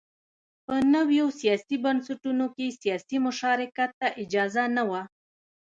په نویو سیاسي بنسټونو کې سیاسي مشارکت ته اجازه نه وه.